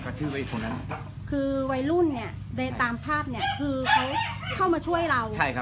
คือใบรุ่นเนี่ยคือเขามาช่วยเรา